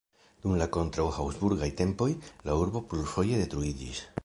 Dum la kontraŭ-Habsburgaj tempoj la urbo plurfoje detruiĝis.